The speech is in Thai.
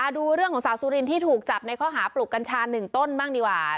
ดูเรื่องของสาวสุรินที่ถูกจับในข้อหาปลูกกัญชา๑ต้นบ้างดีกว่า